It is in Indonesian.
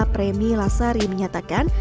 premi lasari menyatakan